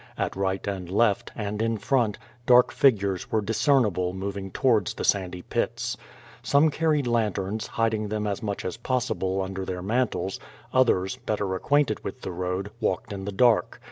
At right and left, and in front, dark figures were discernible moving towards the sandy pits. Some car ried lautems, hiding them as much as possible under their mantles; others, better acquainted with the road, walked in the dark.